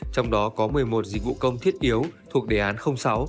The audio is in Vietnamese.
trong đó có một mươi một dịch vụ công thiết yếu thuộc đề án sáu